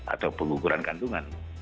atau penguguran kandungan